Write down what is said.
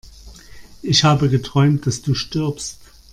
Ich habe geträumt, dass du stirbst!